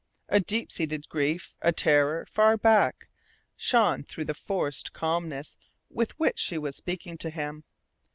A deep seated grief, a terror far back, shone through the forced calmness with which she was speaking to him.